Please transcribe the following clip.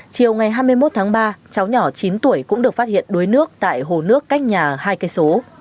chiều ngày hai mươi một tháng ba cháu nhỏ chín tuổi cũng được phát hiện đuối nước tại hồ nước cách nhà hai km